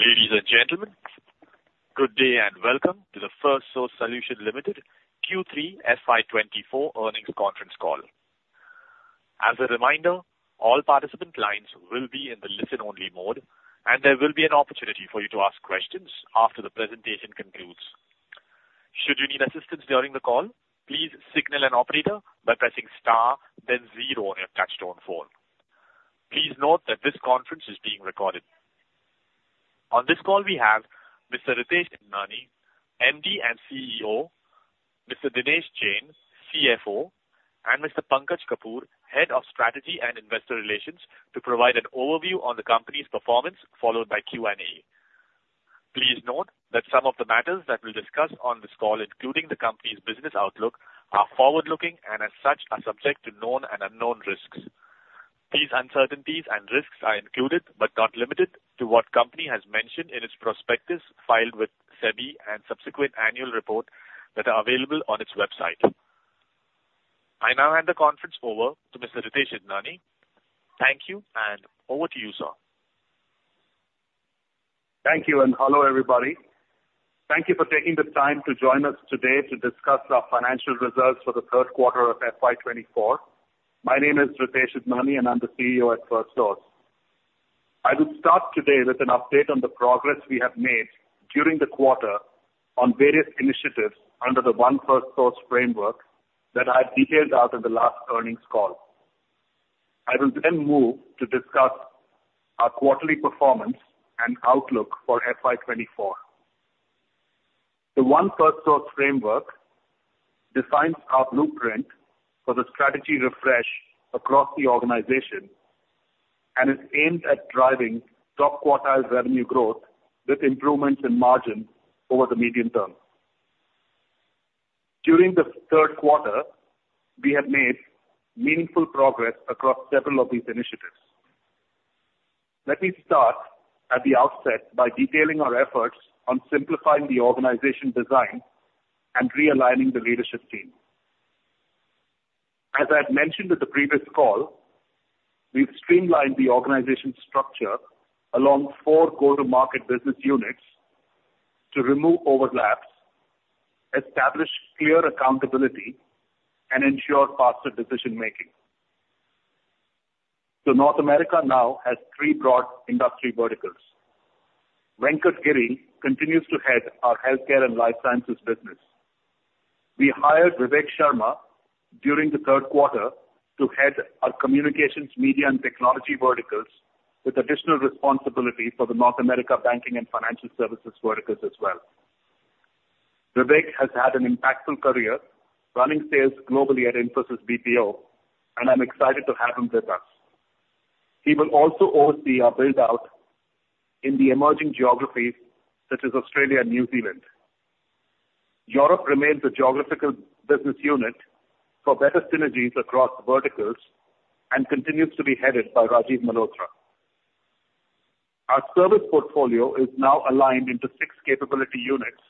Ladies and gentlemen, good day, and welcome to the Firstsource Solutions Limited Q3 FY24 earnings conference call. As a reminder, all participant lines will be in the listen-only mode, and there will be an opportunity for you to ask questions after the presentation concludes. Should you need assistance during the call, please signal an operator by pressing star then zero on your touchtone phone. Please note that this conference is being recorded. On this call, we have Mr. Ritesh Idnani, MD and CEO, Mr. Dinesh Jain, CFO, and Mr. Pankaj Kapoor, Head of Strategy and Investor Relations, to provide an overview on the company's performance, followed by Q&A. Please note that some of the matters that we'll discuss on this call, including the company's business outlook, are forward-looking, and as such, are subject to known and unknown risks. These uncertainties and risks are included, but not limited, to what company has mentioned in its prospectus filed with SEBI and subsequent annual report that are available on its website. I now hand the conference over to Mr. Ritesh Idnani. Thank you, and over to you, sir. Thank you, and hello, everybody. Thank you for taking the time to join us today to discuss our financial results for the third quarter of FY 2024. My name is Ritesh Idnani, and I'm the CEO at Firstsource. I will start today with an update on the progress we have made during the quarter on various initiatives under the One Firstsource framework that I detailed out in the last earnings call. I will then move to discuss our quarterly performance and outlook for FY 2024. The One Firstsource framework defines our blueprint for the strategy refresh across the organization and is aimed at driving top quartile revenue growth with improvements in margin over the medium term. During the third quarter, we have made meaningful progress across several of these initiatives. Let me start at the outset by detailing our efforts on simplifying the organization design and realigning the leadership team. As I had mentioned at the previous call, we've streamlined the organization structure along four go-to-market business units to remove overlaps, establish clear accountability, and ensure faster decision making. North America now has three broad industry verticals. Venkatgiri continues to head our healthcare and life sciences business. We hired Vivek Sharma during the third quarter to head our communications, media, and technology verticals, with additional responsibility for the North America banking and financial services verticals as well. Vivek has had an impactful career running sales globally at Infosys BPO, and I'm excited to have him with us. He will DSO oversee our build-out in the emerging geographies such as Australia and New Zealand. Europe remains a geographical business unit for better synergies across verticals and continues to be headed by Rajiv Malhotra. Our service portfolio is now aligned into six capability units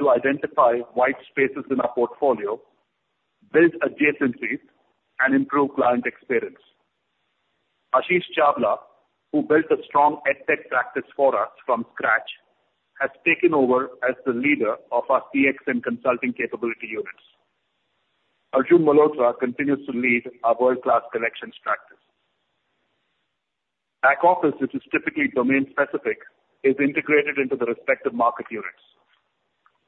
to identify white spaces in our portfolio, build adjacencies, and improve client experience. Ashish Chawla, who built a strong EdTech practice for us from scratch, has taken over as the leader of our CX and consulting capability units. Arjun Mitra continues to lead our world-class collections practice. Back office, which is typically domain-specific, is integrated into the respective market units.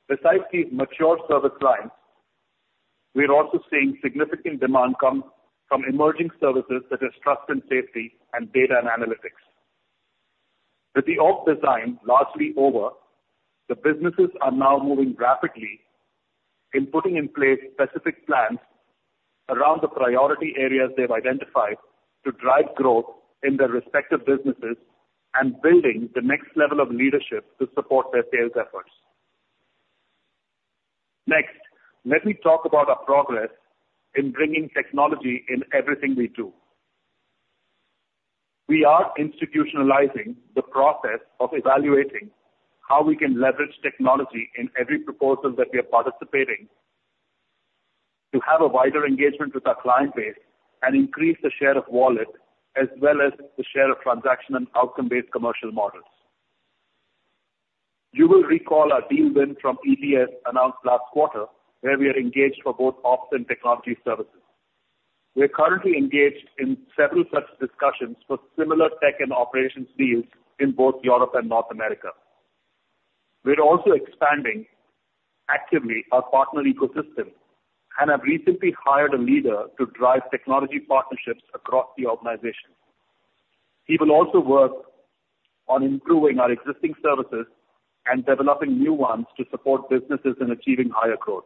Besides these mature service lines, we are also seeing significant demand come from emerging services such as trust and safety and data and analytics. With the org design largely over, the businesses are now moving rapidly in putting in place specific plans around the priority areas they've identified to drive growth in their respective businesses and building the next level of leadership to support their sales efforts. Next, let me talk about our progress in bringing technology in everything we do. We are institutionalizing the process of evaluating how we can leverage technology in every proposal that we are participating to have a wider engagement with our client base and increase the share of wallet as well as the share of transaction and outcome-based commercial models. You will recall our deal win from ETS announced last quarter, where we are engaged for both ops and technology services. We are currently engaged in several such discussions for similar tech and operations deals in both Europe and North America. We are also expanding actively our partner ecosystem and have recently hired a leader to drive technology partnerships across the organization. He will also work on improving our existing services and developing new ones to support businesses in achieving higher growth.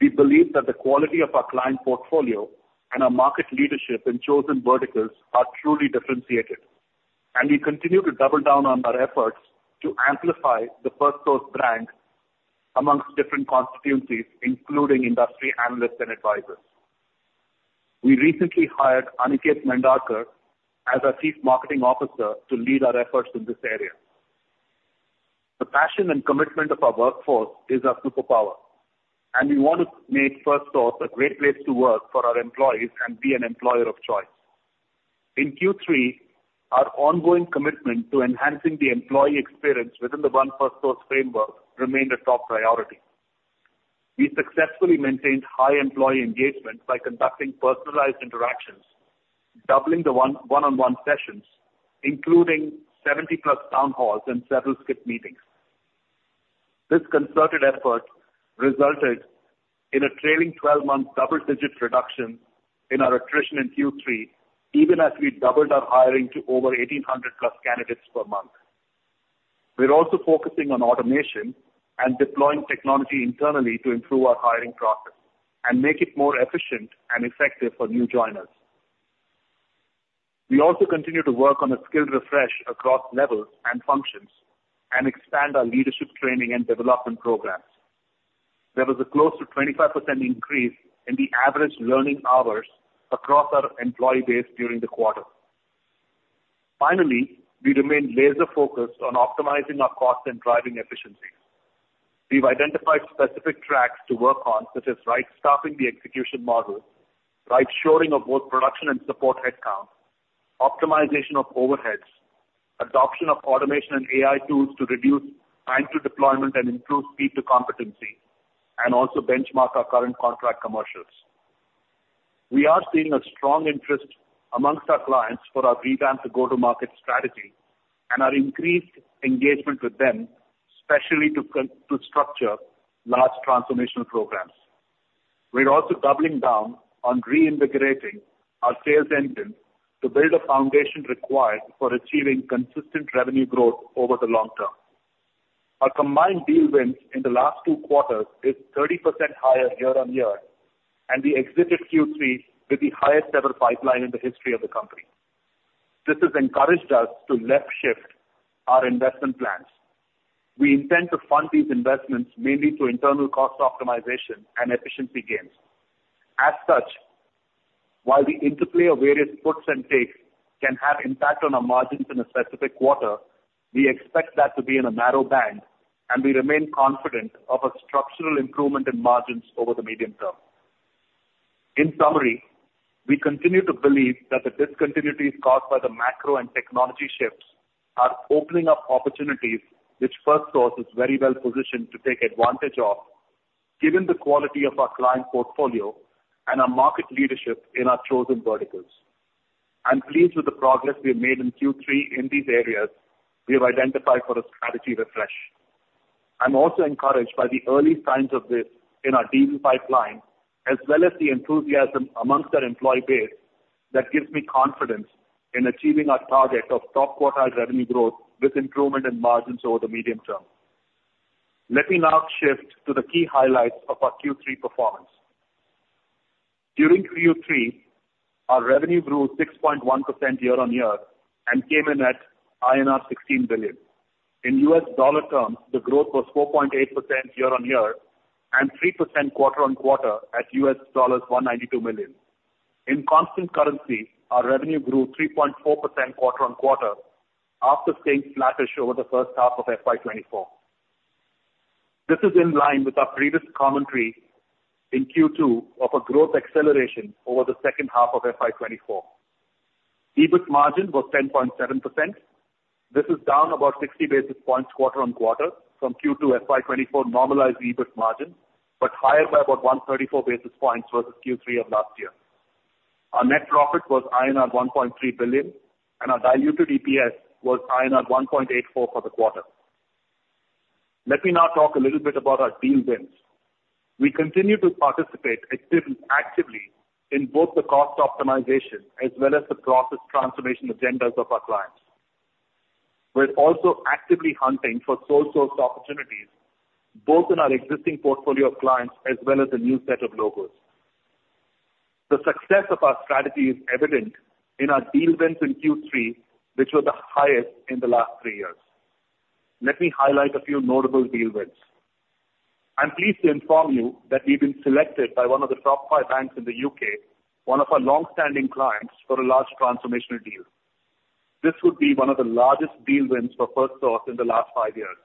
We believe that the quality of our client portfolio and our market leadership in chosen verticals are truly differentiated, and we continue to double down on our efforts to amplify the Firstsource brand amongst different constituencies, including industry analysts and advisors. We recently hired Aniket Maindarkar as our Chief Marketing Officer to lead our efforts in this area. The passion and commitment of our workforce is our superpower, and we want to make Firstsource a great place to work for our employees and be an employer of choice. In Q3, our ongoing commitment to enhancing the employee experience within the One Firstsource framework remained a top priority. We successfully maintained high employee engagement by conducting personalized interactions, doubling the one-on-one sessions, including 70+ town halls and several skip meetings. This concerted effort resulted in a trailing 12-month double-digit reduction in our attrition in Q3, even as we doubled our hiring to over 1,800+ candidates per month. We're also focusing on automation and deploying technology internally to improve our hiring process and make it more efficient and effective for new joiners. We also continue to work on a skill refresh across levels and functions and expand our leadership training and development programs. There was a close to 25% increase in the average learning hours across our employee base during the quarter. Finally, we remain laser focused on optimizing our costs and driving efficiency. We've identified specific tracks to work on, such as right-staffing the execution model, right-shoring of both production and support headcount, optimization of overheads, adoption of automation and AI tools to reduce time to deployment and improve speed to competency, and also benchmark our current contract commercials. We are seeing a strong interest among our clients for our revamped go-to-market strategy and our increased engagement with them, especially to structure large transformational programs. We're also doubling down on reinvigorating our sales engine to build a foundation required for achieving consistent revenue growth over the long term. Our combined deal wins in the last two quarters is 30% higher year-on-year, and we exited Q3 with the highest ever pipeline in the history of the company. This has encouraged us to left shift our investment plans. We intend to fund these investments mainly through internal cost optimization and efficiency gains. As such, while the interplay of various puts and takes can have impact on our margins in a specific quarter, we expect that to be in a narrow band, and we remain confident of a structural improvement in margins over the medium term. In summary, we continue to believe that the discontinuities caused by the macro and technology shifts are opening up opportunities which Firstsource is very well positioned to take advantage of, given the quality of our client portfolio and our market leadership in our chosen verticals. I'm pleased with the progress we have made in Q3 in these areas we have identified for a strategy refresh. I'm also encouraged by the early signs of this in our deal pipeline, as well as the enthusiasm amongst our employee base. That gives me confidence in achieving our target of top quartile revenue growth with improvement in margins over the medium term. Let me now shift to the key highlights of our Q3 performance. During Q3, our revenue grew 6.1% year-on-year and came in at INR 16 billion. In US dollar terms, the growth was 4.8% year-on-year and 3% quarter-on-quarter at $192 million. In constant currency, our revenue grew 3.4% quarter-on-quarter after staying flat-ish over the first half of FY 2024. This is in line with our previous commentary in Q2 of a growth acceleration over the second half of FY 2024. EBIT margin was 10.7%. This is down about 60 basis points quarter-on-quarter from Q2 FY 2024 normalized EBIT margin, but higher by about 134 basis points versus Q3 of last year. Our net profit was INR 1.3 billion, and our diluted EPS was INR 1.84 for the quarter. Let me now talk a little bit about our deal wins. We continue to participate actively in both the cost optimization as well as the process transformation agendas of our clients. We're also actively hunting for sole source opportunities, both in our existing portfolio of clients as well as a new set of logos. The success of our strategy is evident in our deal wins in Q3, which were the highest in the last three years. Let me highlight a few notable deal wins. I'm pleased to inform you that we've been selected by one of the top five banks in the UK, one of our long-standing clients, for a large transformational deal. This would be one of the largest deal wins for Firstsource in the last five years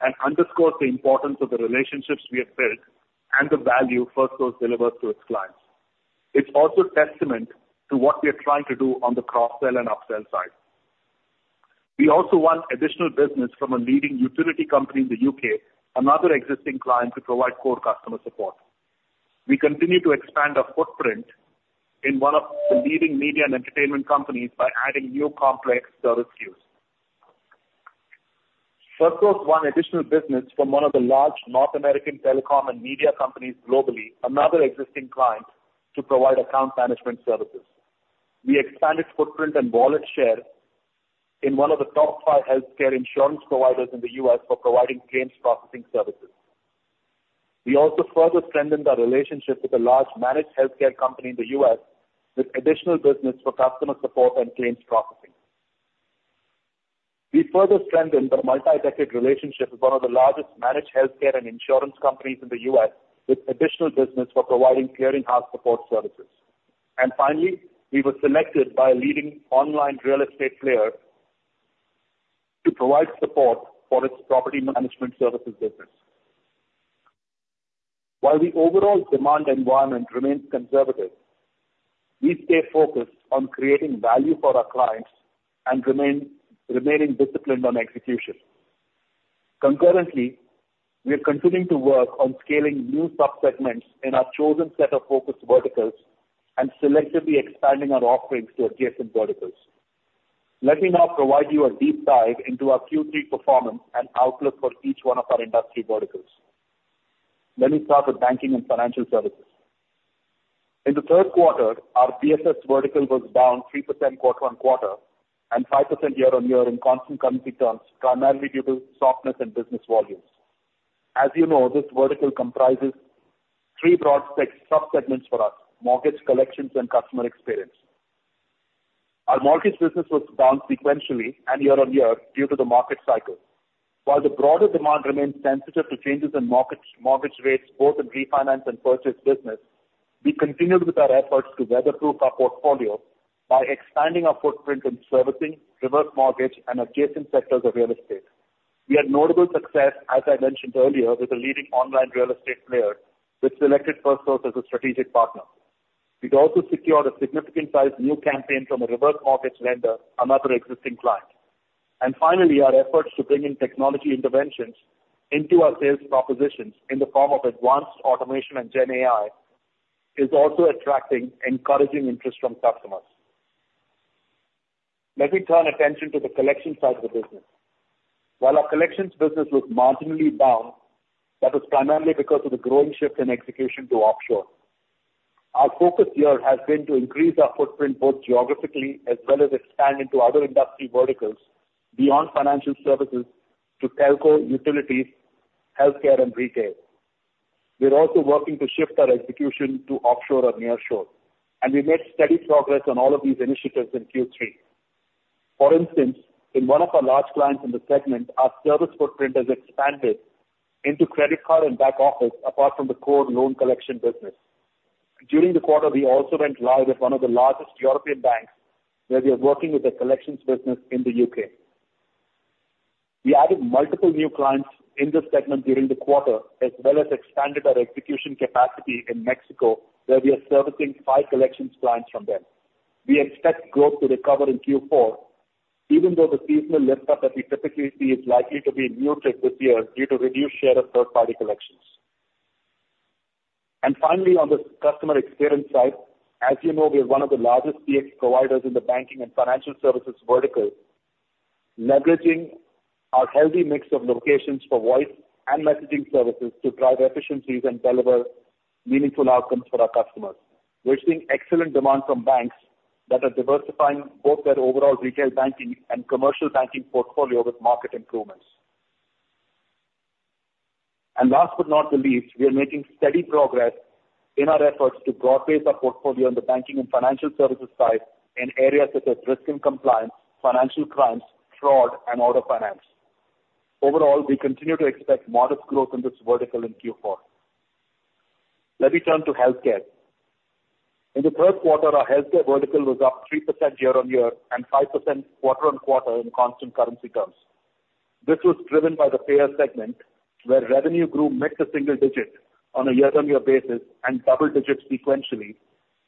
and underscores the importance of the relationships we have built and the value Firstsource delivers to its clients. It's also testament to what we are trying to do on the cross-sell and upsell side. We also won additional business from a leading utility company in the UK, another existing client, to provide core customer support. We continue to expand our footprint in one of the leading media and entertainment companies by adding new complex service queues. Firstsource won additional business from one of the large North American telecom and media companies globally, another existing client, to provide account management services. We expanded footprint and wallet share in one of the top five healthcare insurance providers in the US for providing claims processing services. We also further strengthened our relationship with a large managed healthcare company in the U.S. with additional business for customer support and claims processing. We further strengthened our multi-decade relationship with one of the largest managed healthcare and insurance companies in the U.S., with additional business for providing clearing house support services. Finally, we were selected by a leading online real estate player to provide support for its property management services business. While the overall demand environment remains conservative, we stay focused on creating value for our clients and remaining disciplined on execution. Concurrently, we are continuing to work on scaling new sub-segments in our chosen set of focus verticals and selectively expanding our offerings to adjacent verticals. Let me now provide you a deep dive into our Q3 performance and outlook for each one of our industry verticals. Let me start with banking and financial services. In the third quarter, our BFSvertical was down 3% quarter-on-quarter, and 5% year-on-year in constant currency terms, primarily due to softness in business volumes. As you know, this vertical comprises three broad sub-segments for us: mortgage, collections, and customer experience. Our mortgage business was down sequentially and year-on-year due to the market cycle. While the broader demand remains sensitive to changes in mortgage rates, both in refinance and purchase business, we continued with our efforts to weather-proof our portfolio by expanding our footprint in servicing, reverse mortgage, and adjacent sectors of real estate. We had notable success, as I mentioned earlier, with a leading online real estate player, which selected Firstsource as a strategic partner. We've also secured a significant size new campaign from a reverse mortgage lender, another existing client. Finally, our efforts to bring in technology interventions into our sales propositions in the form of advanced automation and GenAI, is also attracting encouraging interest from customers. Let me turn attention to the collection side of the business. While our collections business was marginally down, that was primarily because of the growing shift in execution to offshore. Our focus here has been to increase our footprint, both geographically as well as expand into other industry verticals beyond financial services to telco, utilities, healthcare, and retail. We are also working to shift our execution to offshore or nearshore, and we made steady progress on all of these initiatives in Q3. For instance, in one of our large clients in the segment, our service footprint has expanded into credit card and back office, apart from the core loan collection business. During the quarter, we also went live with one of the largest European banks, where we are working with the collections business in the UK. We added multiple new clients in this segment during the quarter, as well as expanded our execution capacity in Mexico, where we are servicing five collections clients from them. We expect growth to recover in Q4, even though the seasonal lift-up that we typically see is likely to be muted this year due to reduced share of third-party collections. And finally, on the customer experience side, as you know, we are one of the largest CX providers in the banking and financial services vertical, leveraging our healthy mix of locations for voice and messaging services to drive efficiencies and deliver meaningful outcomes for our customers. We're seeing excellent demand from banks that are diversifying both their overall retail banking and commercial banking portfolio with market improvements. And last but not the least, we are making steady progress in our efforts to broad base our portfolio on the banking and financial services side in areas such as risk and compliance, financial crimes, fraud, and auto finance. Overall, we continue to expect modest growth in this vertical in Q4. Let me turn to healthcare. In the third quarter, our healthcare vertical was up 3% year-over-year and 5% quarter-over-quarter in constant currency terms. This was driven by the payer segment, where revenue grew mid- to single-digit on a year-over-year basis and double-digits sequentially,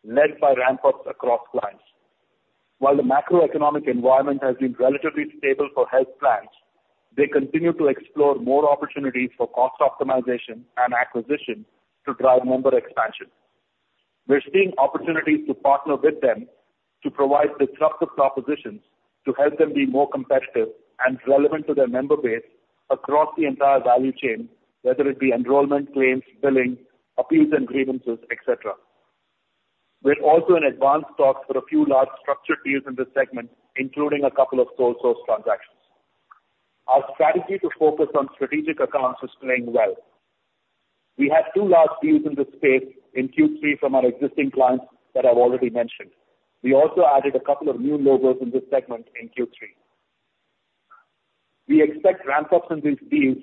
led by ramp-ups across clients. While the macroeconomic environment has been relatively stable for health plans, they continue to explore more opportunities for cost optimization and acquisition to drive member expansion. We're seeing opportunities to partner with them to provide disruptive propositions to help them be more competitive and relevant to their member base across the entire value chain, whether it be enrollment, claims, billing, appeals and grievances, et cetera. We're also in advanced talks for a few large structured deals in this segment, including a couple of co-source transactions. Our strategy to focus on strategic accounts is playing well. We had two large deals in this space in Q3 from our existing clients that I've already mentioned. We also added a couple of new logos in this segment in Q3. We expect ramp-ups in these deals,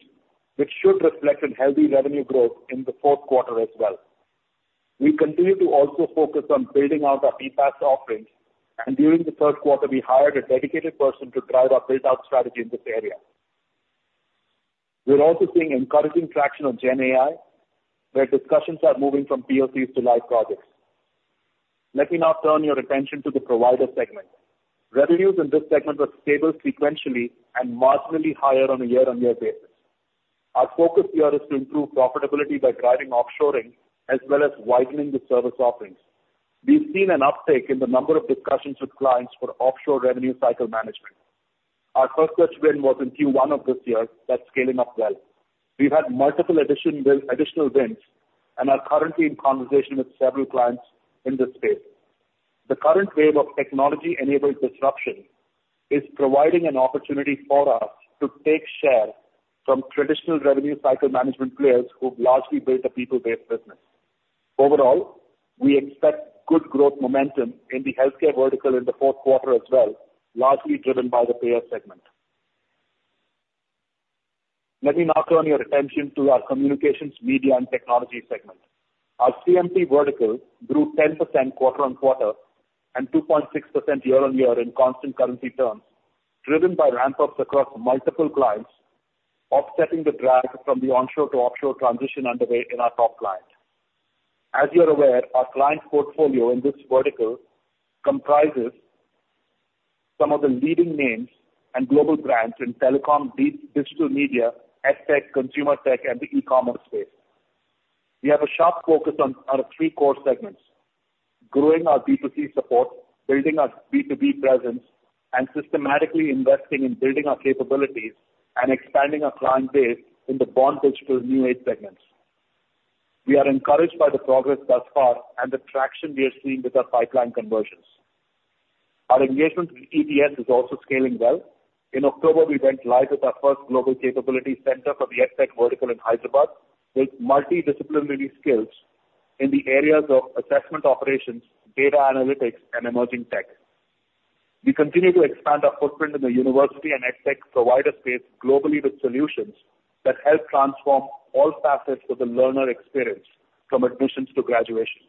which should reflect in healthy revenue growth in the fourth quarter as well. We continue to also focus on building out our BPAS offerings, and during the third quarter, we hired a dedicated person to drive our build-out strategy in this area. We're also seeing encouraging traction on GenAI, where discussions are moving from POCs to live projects. Let me now turn your attention to the provider segment. Revenues in this segment were stable sequentially and marginally higher on a year-on-year basis. Our focus here is to improve profitability by driving offshoring, as well as widening the service offerings. We've seen an uptick in the number of discussions with clients for offshore revenue cycle management. Our first such win was in Q1 of this year, that's scaling up well. We've had multiple additional wins, and are currently in conversation with several clients in this space. The current wave of technology-enabled disruption is providing an opportunity for us to take share from traditional revenue cycle management players who've largely built a people-based business. Overall, we expect good growth momentum in the healthcare vertical in the fourth quarter as well, largely driven by the payer segment. Let me now turn your attention to our communications, media, and technology segment. Our CMT vertical grew 10% quarter-on-quarter and 2.6% year-on-year in constant currency terms, driven by ramp ups across multiple clients, offsetting the drag from the onshore to offshore transition underway in our top client. As you're aware, our client portfolio in this vertical comprises some of the leading names and global brands in telecom, digital media, EdTech, consumer tech, and the e-commerce space. We have a sharp focus on our three core segments, growing our B2C support, building our B2B presence, and systematically investing in building our capabilities and expanding our client base in the born-digital new age segments. We are encouraged by the progress thus far and the traction we are seeing with our pipeline conversions. Our engagement with EPS is also scaling well. In October, we went live with our first global capability center for the EdTech vertical in Hyderabad, with multidisciplinary skills in the areas of assessment, operations, data analytics, and emerging tech. We continue to expand our footprint in the university and EdTech provider space globally, with solutions that help transform all facets of the learner experience from admissions to graduation.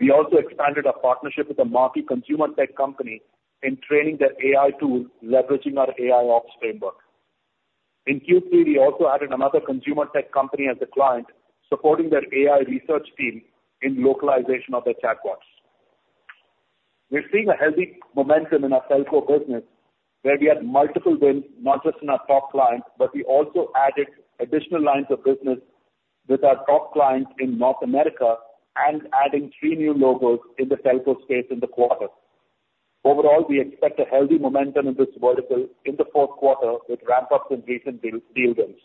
We also expanded our partnership with a market consumer tech company in training their AI tool, leveraging our AI Ops framework In Q3, we also added another consumer tech company as a client, supporting their AI research team in localization of their chatbots. We're seeing a healthy momentum in our telco business, where we had multiple wins, not just in our top clients, but we also added additional lines of business with our top clients in North America and adding three new logos in the telco space in the quarter. Overall, we expect a healthy momentum in this vertical in the fourth quarter with ramp ups in recent deal, deal wins.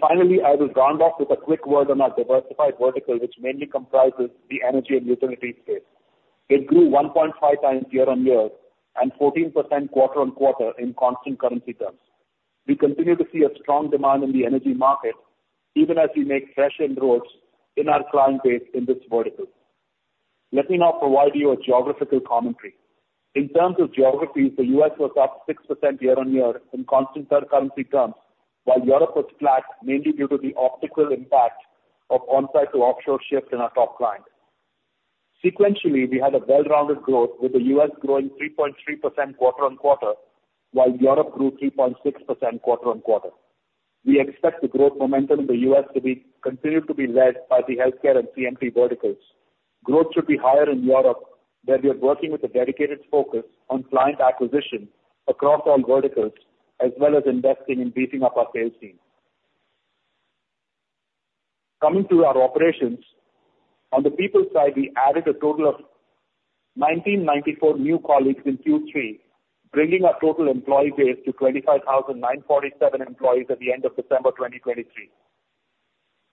Finally, I will round off with a quick word on our diversified vertical, which mainly comprises the energy and utility space. It grew 1.5% year-on-year and 14% quarter-on-quarter in constant currency terms. We continue to see a strong demand in the energy market, even as we make fresh inroads in our client base in this vertical. Let me now provide you a geographical commentary. In terms of geographies, the U.S. was up 6% year-on-year in constant currency terms, while Europe was flat, mainly due to the optical impact of onsite to offshore shift in our top client. Sequentially, we had a well-rounded growth, with the U.S. growing 3.3% quarter-on-quarter, while Europe grew 3.6% quarter-on-quarter. We expect the growth momentum in the U.S. to be continued to be led by the healthcare and CMT verticals. Growth should be higher in Europe, where we are working with a dedicated focus on client acquisition across all verticals, as well as investing in beefing up our sales team. Coming to our operations, on the people side, we added a total of 1,994 new colleagues in Q3, bringing our total employee base to 25,947 employees at the end of December 2023.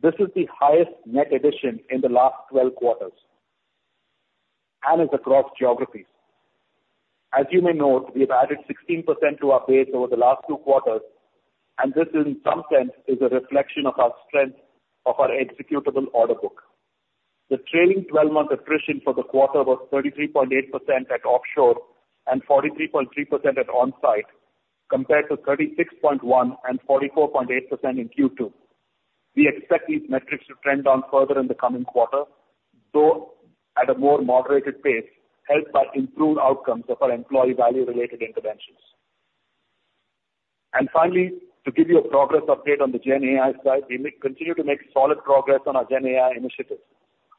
This is the highest net addition in the last 12 quarters and is across geographies. As you may note, we've added 16% to our base over the last two quarters, and this in some sense is a reflection of our strength of our executable order book. The trailing 12-month attrition for the quarter was 33.8% at offshore and 43.3% at onsite, compared to 36.1% and 44.8% in Q2. We expect these metrics to trend down further in the coming quarter, though at a more moderated pace, helped by improved outcomes of our employee value-related interventions. And finally, to give you a progress update on the GenAI side, we continue to make solid progress on our GenAI initiatives.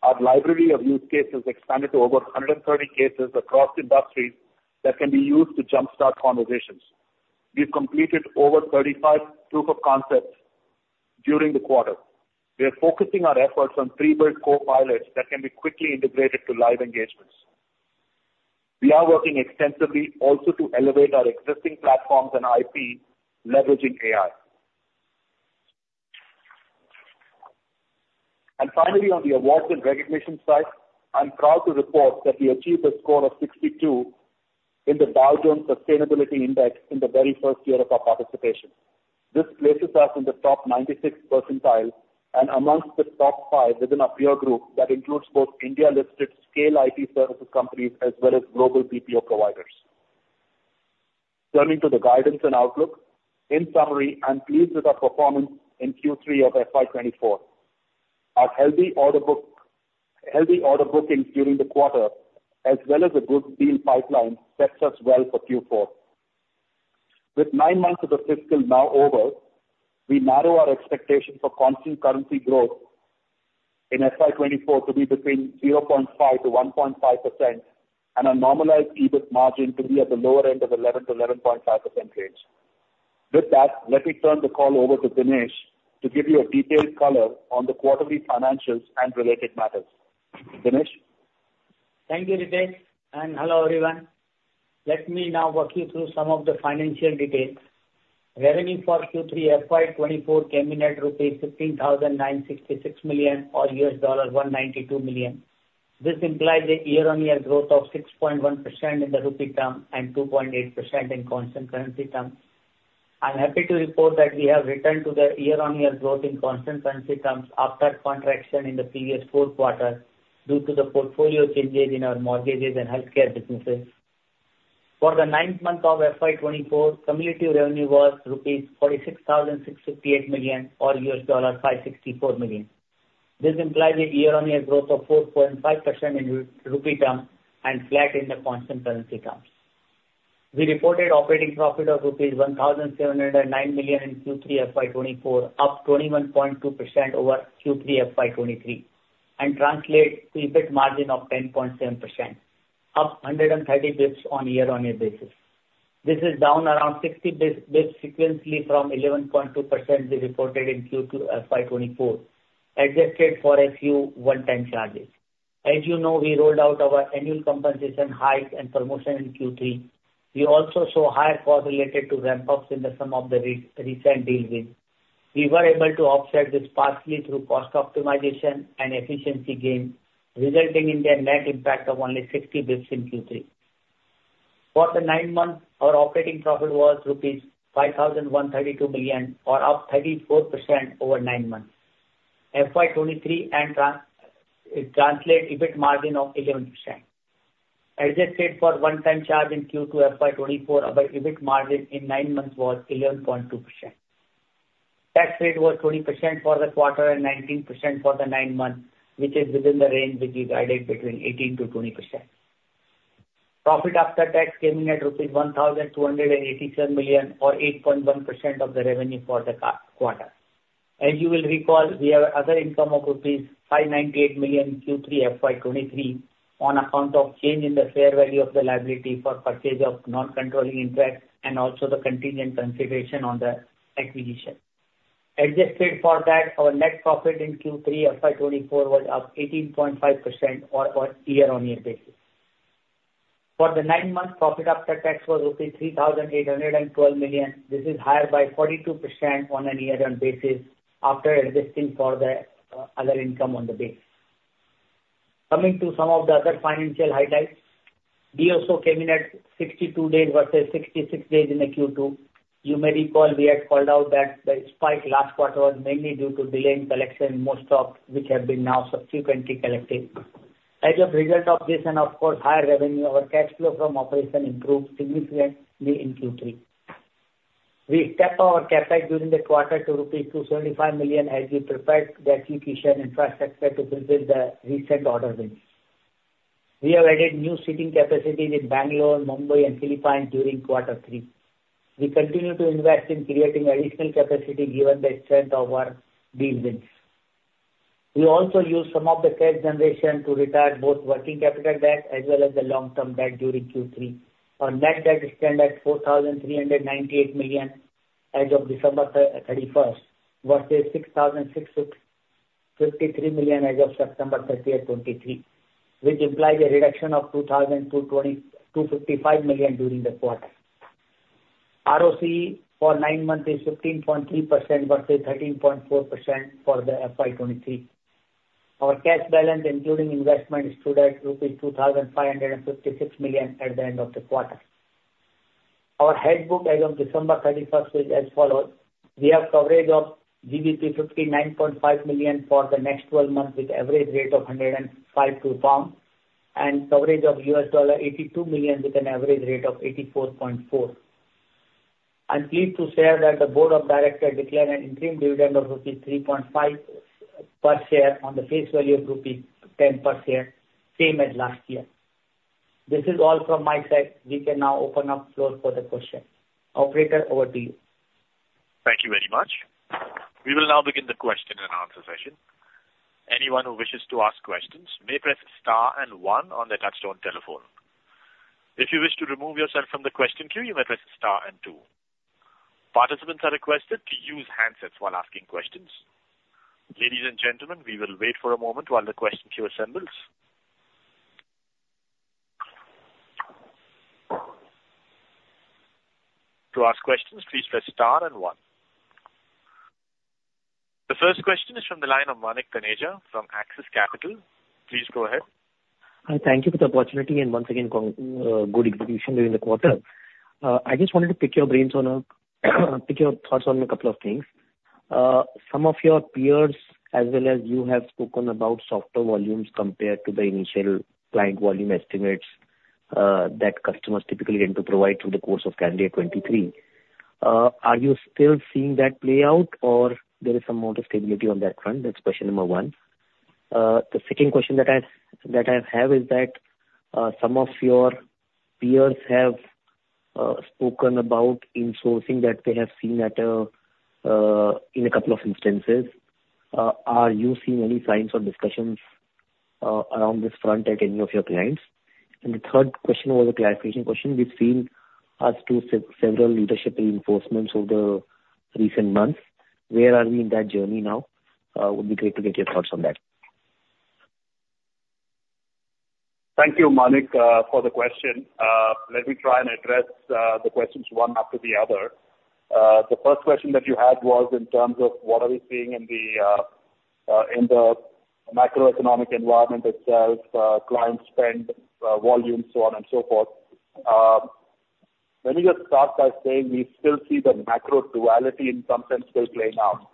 Our library of use cases expanded to over 130 cases across industries that can be used to jumpstart conversations. We've completed over 35 proof of concepts during the quarter. We are focusing our efforts on pre-built co-pilots that can be quickly integrated to live engagements. We are working extensively also to elevate our existing platforms and IP, leveraging AI. And finally, on the awards and recognition side, I'm proud to report that we achieved a score of 62 in the Dow Jones Sustainability Index in the very first year of our participation. This places us in the top 96th percentile and amongst the top five within our peer group that includes both India-listed scale IT services companies as well as global BPO providers. Turning to the guidance and outlook, in summary, I'm pleased with our performance in Q3 of FY 2024. Our healthy order book, healthy order bookings during the quarter, as well as a good deal pipeline, sets us well for Q4. With nine months of the fiscal now over, we narrow our expectation for constant currency growth in FY 2024 to be between 0.5%-1.5% and a normalized EBIT margin to be at the lower end of 11%-11.5% range. With that, let me turn the call over to Dinesh to give you a detailed color on the quarterly financials and related matters. Dinesh? Thank you, Ritesh, and hello, everyone. Let me now walk you through some of the financial details. Revenue for Q3 FY 2024 came in at INR 15,966 million or $192 million. This implies a year-on-year growth of 6.1% in the rupee term and 2.8% in constant currency terms. I'm happy to report that we have returned to the year-on-year growth in constant currency terms after contraction in the previous fourth quarter due to the portfolio changes in our mortgages and healthcare businesses. For the nine-month of FY 2024, cumulative revenue was rupees 46,658 million or $564 million. This implies a year-on-year growth of 4.5% in rupee term and flat in the constant currency terms. We reported operating profit of rupees 1,709 million in Q3 FY 2024, up 21.2% over Q3 FY 2023, and translating to EBIT margin of 10.7%, up 130 basis points on year-over-year basis. This is down around 60 basis points sequentially from 11.2% we reported in Q2 FY 2024, adjusted for a few one-time charges. As you know, we rolled out our annual compensation hike and promotion in Q3. We also saw higher costs related to ramp-ups in some of the recent deal wins. We were able to offset this partially through cost optimization and efficiency gains, resulting in the net impact of only 60 basis points in Q3. For the nine months, our operating profit was rupees 5,132 million, up 34% over nine months FY 2023, and that it translates to EBIT margin of 11%. Adjusted for one-time charge in Q2 FY 2024, our EBIT margin in nine months was 11.2%. Tax rate was 20% for the quarter and 19% for the nine months, which is within the range which we guided between 18%-20%. Profit after tax came in at rupees 1,287 million, or 8.1% of the revenue for the quarter. As you will recall, we have other income of rupees 598 million Q3 FY 2023 on account of change in the fair value of the liability for purchase of non-controlling interest and also the contingent consideration on the acquisition. Adjusted for that, our net profit in Q3 FY 2024 was up 18.5% on, on year-on-year basis. For the nine months, profit after tax was rupees 3,812 million. This is higher by 42% on a year-on-year basis after adjusting for the other income on the base. Coming to some of the other financial highlights, we also came in at 62 days versus 66 days in the Q2. You may recall we had called out that the spike last quarter was mainly due to delay in collection, most of which have been now subsequently collected. As a result of this, and of course, higher revenue, our cash flow from operation improved significantly in Q3. We kept our CapEx during the quarter to rupees 275 million, as we prepared the IT shared infrastructure to fulfill the recent order wins. We have added new seating capacities in Bangalore, Mumbai, and Philippines during quarter three. We continue to invest in creating additional capacity given the strength of our deal wins. We also used some of the cash generation to retire both working capital debt as well as the long-term debt during Q3. Our net debt stand at 4,398 million as of December 31st, versus 6,653 million as of September 30th, 2023, which implies a reduction of 2,255 million during the quarter. ROCE for nine months is 15.3% versus 13.4% for the FY 2023. Our cash balance, including investment, stood at rupees 2,556 million at the end of the quarter. Our hedge book as of December 31st is as follows: We have coverage of 59.5 million for the next 12 months, with average rate of 105.2 pound, and coverage of $82 million, with an average rate of 84.4. I'm pleased to share that the board of directors declared an interim dividend of rupees 3.5 per share on the face value of rupees 10 per share, same as last year. This is all from my side. We can now open up floor for the question. Operator, over to you. Thank you very much. We will now begin the question and answer session. Anyone who wishes to ask questions may press star and one on their touchtone telephone. If you wish to remove yourself from the question queue, you may press star and two. Participants are requested to use handsets while asking questions. Ladies and gentlemen, we will wait for a moment while the question queue assembles. To ask questions, please press star and one. The first question is from the line of Manik Taneja from Axis Capital. Please go ahead. Hi, thank you for the opportunity, and once again, good execution during the quarter. I just wanted to pick your brains on a, pick your thoughts on a couple of things. Some of your peers, as well as you, have spoken about softer volumes compared to the initial client volume estimates that customers typically tend to provide through the course of calendar 2023. Are you still seeing that play out or there is some more stability on that front? That's question number one. The second question that I have is that some of your peers have spoken about insourcing that they have seen in a couple of instances. Are you seeing any signs or discussions around this front at any of your clients? The third question was a clarification question. We've seen several leadership reinforcements over the recent months. Where are we in that journey now? Would be great to get your thoughts on that. Thank you, Manik, for the question. Let me try and address the questions one after the other. The first question that you had was in terms of what are we seeing in the macroeconomic environment itself, client spend, volume, so on and so forth. Let me just start by saying we still see the macro duality in some sense, still playing out.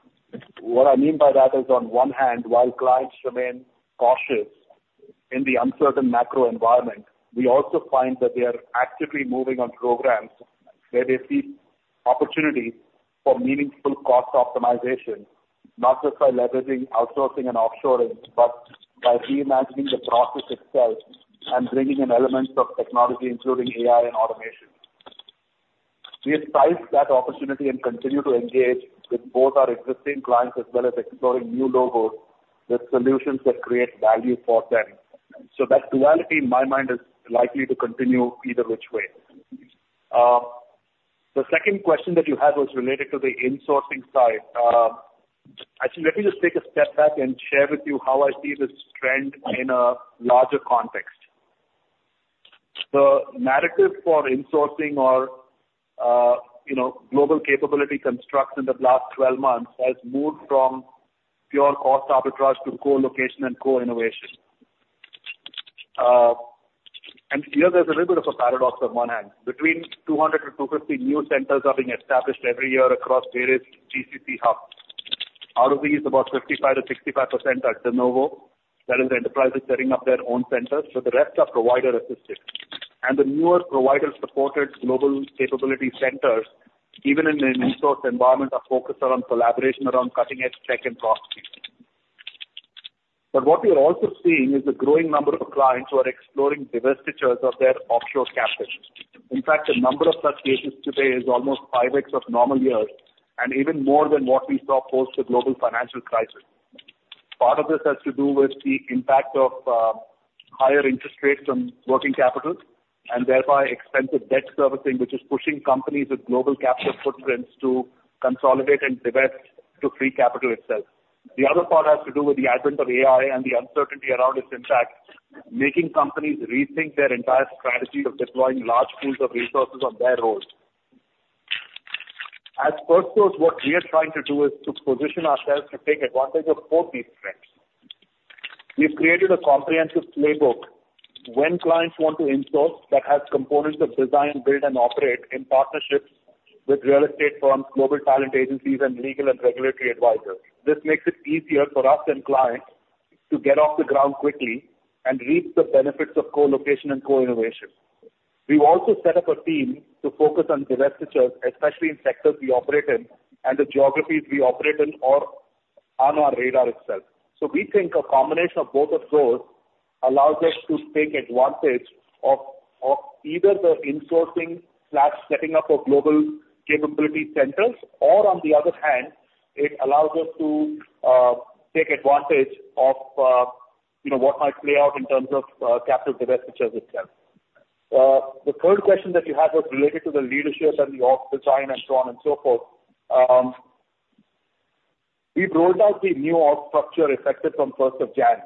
What I mean by that is, on one hand, while clients remain cautious in the uncertain macro environment, we also find that they are actively moving on programs where they see opportunity for meaningful cost optimization, not just by leveraging outsourcing and offshoring, but by reimagining the process itself and bringing in elements of technology, including AI and automation. We entice that opportunity and continue to engage with both our existing clients as well as exploring new logos with solutions that create value for them. So that duality, in my mind, is likely to continue either which way. The second question that you had was related to the insourcing side. Actually, let me just take a step back and share with you how I see this trend in a larger context. The narrative for insourcing or, you know, global capability constructs in the last 12 months has moved from pure cost arbitrage to co-location and co-innovation. Here there's a little bit of a paradox on one hand, between 200-250 new centers are being established every year across various GCC hubs. Out of these, about 55%-65% are de novo, that is, enterprises setting up their own centers, so the rest are provider-assisted. The newer provider-supported global capability centers, even in an in-source environment, are focused around collaboration, around cutting edge tech and cost. What we are also seeing is a growing number of clients who are exploring divestitures of their offshore capacities. In fact, the number of such cases today is almost 5x of normal years and even more than what we saw post the global financial crisis. Part of this has to do with the impact of higher interest rates on working capital and thereby expensive debt servicing, which is pushing companies with global capital footprints to consolidate and divest to free capital itself. The other part has to do with the advent of AI, and the uncertainty around its impact, making companies rethink their entire strategy of deploying large pools of resources on their own. As Firstsource, what we are trying to do is to position ourselves to take advantage of both these trends. We've created a comprehensive playbook when clients want to insource, that has components of design, build, and operate in partnerships with real estate firms, global talent agencies, and legal and regulatory advisors. This makes it easier for us and clients to get off the ground quickly and reap the benefits of co-location and co-innovation. We've also set up a team to focus on divestitures, especially in sectors we operate in, and the geographies we operate in are on our radar itself. So we think a combination of both of those allows us to take advantage of either the insourcing slash setting up of global capability centers, or on the other hand, it allows us to take advantage of, you know, what might play out in terms of capital divestitures itself. The third question that you had was related to the leadership and the org design and so on and so forth. We've rolled out the new org structure effective from first of January.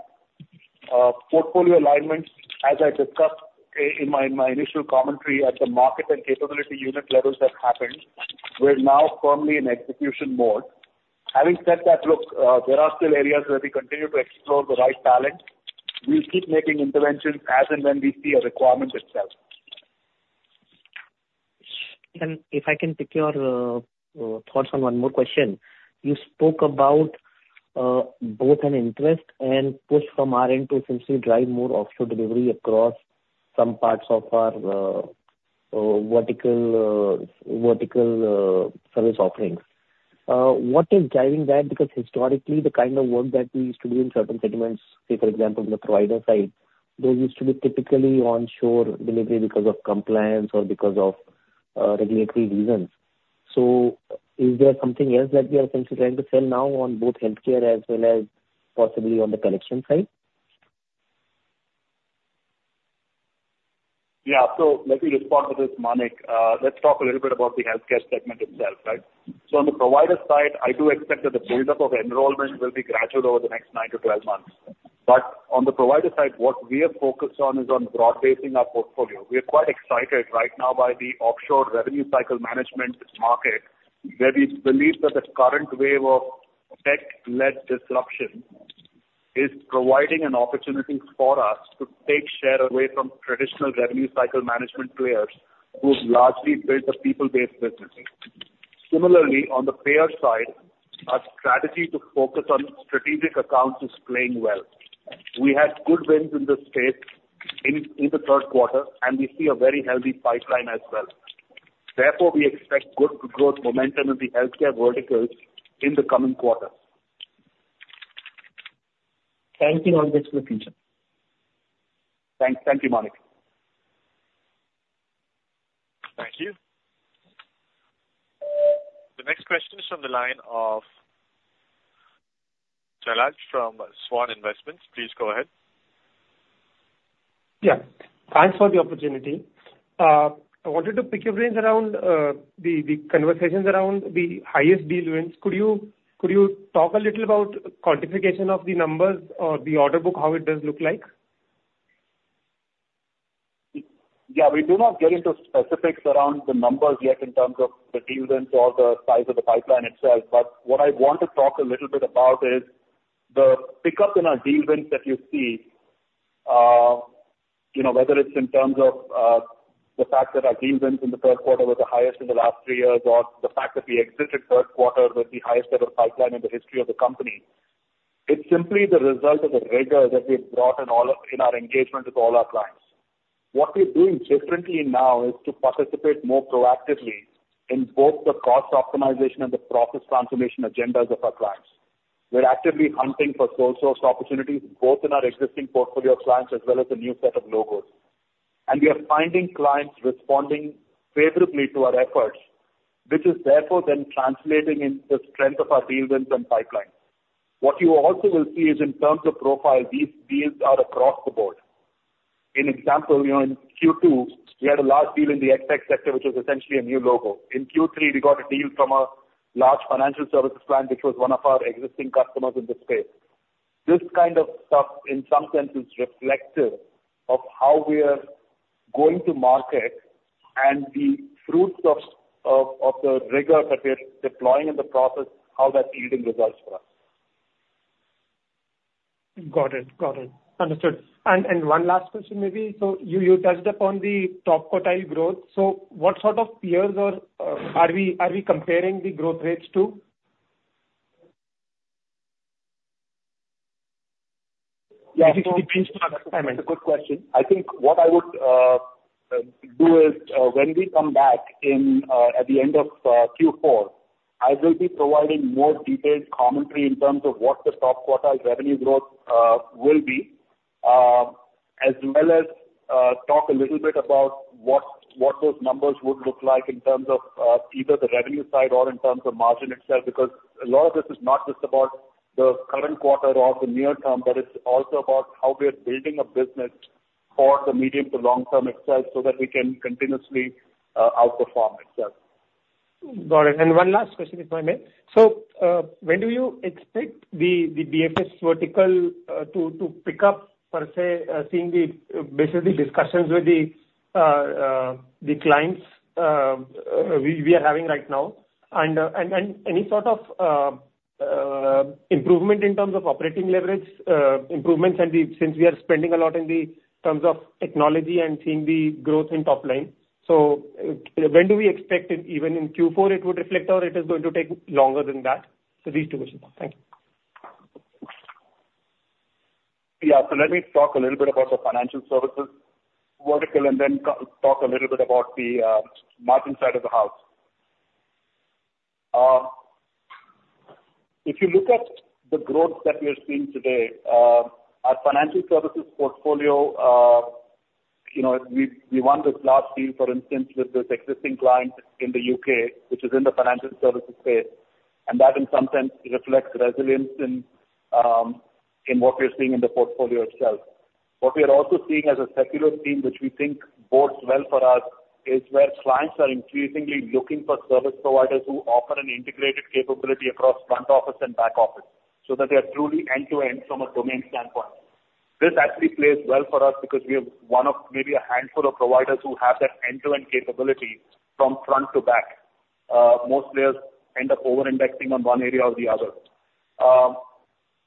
Portfolio alignment, as I discussed, in my initial commentary at the market and capability unit levels that happened, we're now firmly in execution mode. Having said that, look, there are still areas where we continue to explore the right talent. We'll keep making interventions as and when we see a requirement itself. If I can pick your thoughts on one more question. You spoke about both an interest and push from our end to essentially drive more offshore delivery across some parts of our vertical service offerings. What is driving that? Because historically, the kind of work that we used to do in certain segments, say, for example, in the provider side, those used to be typically onshore delivery because of compliance or because of regulatory reasons. Is there something else that we are considering to sell now on both healthcare as well as possibly on the collection side? Yeah. So let me respond to this, Manik. Let's talk a little bit about the healthcare segment itself, right? So on the provider side, I do expect that the buildup of enrollment will be gradual over the next 9-12 months. But on the provider side, what we are focused on is on broad-basing our portfolio. We are quite excited right now by the offshore revenue cycle management market, where we believe that the current wave of tech-led disruption is providing an opportunity for us to take share away from traditional revenue cycle management players who've largely built a people-based business. Similarly, on the payer side, our strategy to focus on strategic accounts is playing well. We had good wins in this space in the third quarter, and we see a very healthy pipeline as well. Therefore, we expect good growth momentum in the healthcare verticals in the coming quarters. Thank you, Ritesh, for the future. Thank you, Manik. Thank you. The next question is from the line of Jalaj from Swan Investments. Please go ahead. Yeah, thanks for the opportunity. I wanted to pick your brains around the conversations around the highest deal wins. Could you talk a little about quantification of the numbers or the order book, how it does look like? Yeah, we do not get into specifics around the numbers yet in terms of the deal wins or the size of the pipeline itself, but what I want to talk a little bit about is the pickup in our deal wins that you see, you know, whether it's in terms of the fact that our deal wins in the third quarter were the highest in the last three years, or the fact that we exited third quarter with the highest ever pipeline in the history of the company, it's simply the result of the rigor that we've brought in all of our engagement with all our clients. What we're doing differently now is to participate more proactively in both the cost optimization and the process transformation agendas of our clients. We're actively hunting for co-source opportunities, both in our existing portfolio of clients as well as a new set of logos. And we are finding clients responding favorably to our efforts, which is therefore then translating into the strength of our deal wins and pipeline. What you also will see is in terms of profile, these deals are across the board. In example, you know, in Q2, we had a large deal in the Fintech sector which was essentially a new logo. In Q3, we got a deal from a large financial services client, which was one of our existing customers in this space. This kind of stuff, in some sense, is reflective of how we are going to market and the fruits of the rigor that we're deploying in the process, how that's yielding results for us. Got it. Got it. Understood. And one last question maybe. So you touched upon the top quartile growth. So what sort of peers or are we comparing the growth rates to? Yeah. That's a good question. I think what I would do is when we come back in at the end of Q4, I will be providing more detailed commentary in terms of what the top quartile revenue growth will be, as well as talk a little bit about what, what those numbers would look like in terms of either the revenue side or in terms of margin itself. Because a lot of this is not just about the current quarter or the near term, but it's also about how we are building a business for the medium to long term itself, so that we can continuously outperform itself. Got it. And one last question, if I may. So, when do you expect the BFS vertical to pick up, per se, seeing, basically, discussions with the clients we are having right now? And any sort of improvement in terms of operating leverage, improvements and since we are spending a lot in the terms of technology and seeing the growth in top line. So, when do we expect it, even in Q4, it would reflect, or it is going to take longer than that? So these two questions. Thank you. Yeah. So let me talk a little bit about the financial services vertical, and then talk a little bit about the margin side of the house. If you look at the growth that we are seeing today, our financial services portfolio, you know, we, we won this large deal, for instance, with this existing client in the U.K., which is in the financial services space. And that, in some sense, reflects resilience in what we are seeing in the portfolio itself. What we are also seeing as a secular theme, which we think bodes well for us, is where clients are increasingly looking for service providers who offer an integrated capability across front office and back office, so that they are truly end-to-end from a domain standpoint. This actually plays well for us because we are one of maybe a handful of providers who have that end-to-end capability from front to back. Most players end up over-indexing on one area or the other.